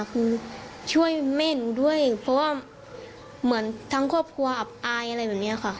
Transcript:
คือช่วยแม่หนูด้วยเพราะว่าเหมือนทั้งครอบครัวอับอายอะไรแบบนี้ค่ะ